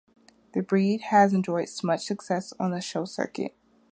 The breed has enjoyed much success on the show circuit.